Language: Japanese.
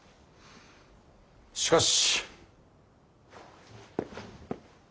しかし。